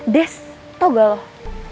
des tau gak loh